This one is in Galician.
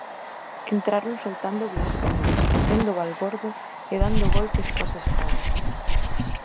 Entraron soltando blasfemias, facendo balbordo e dando golpes coas espadas.